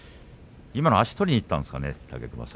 足を取りにいったんですかね。